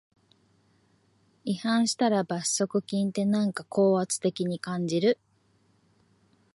違反したら即罰金って、なんか高圧的に感じる